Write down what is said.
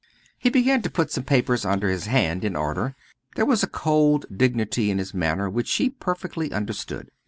He began to put some papers under his hand in order. There was a cold dignity in his manner which she perfectly understood.